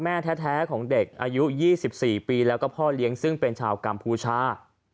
อายุ๒๔ปีแล้วก็พ่อเลี้ยงซึ่งเป็นชาวกรรมภูชา